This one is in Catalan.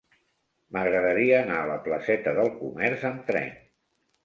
M'agradaria anar a la placeta del Comerç amb tren.